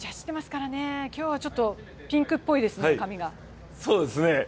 今日はピンクっぽいですね、髪が。